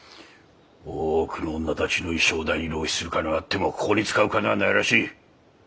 大奥の女たちの衣装代に浪費する金はあってもここに使う金はないらしい。